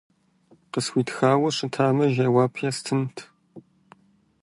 Къысхуитхауэ щытамэ, жэуап естынт.